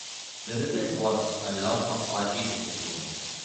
The result was a loss of party discipline.